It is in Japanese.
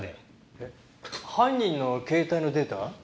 えっ犯人の携帯のデータ？